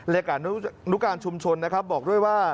รายการรุการชุมชนบอกด้วยว่า